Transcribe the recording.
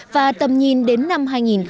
và tầm nhìn đến năm hai nghìn bốn mươi